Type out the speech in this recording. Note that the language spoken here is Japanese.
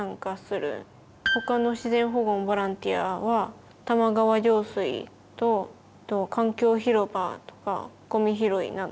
他の自然保護のボランティアは玉川上水と環境広場とかごみ拾いなど。